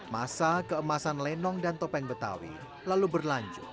masa keemasan lenong dan topeng betawi lalu berlanjut